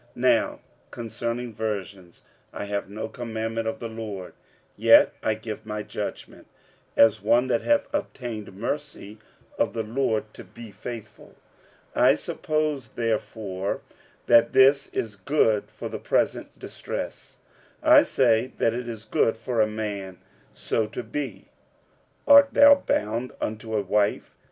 46:007:025 Now concerning virgins I have no commandment of the Lord: yet I give my judgment, as one that hath obtained mercy of the Lord to be faithful. 46:007:026 I suppose therefore that this is good for the present distress, I say, that it is good for a man so to be. 46:007:027 Art thou bound unto a wife?